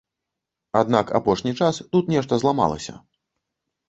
Аднак апошні час тут нешта зламалася.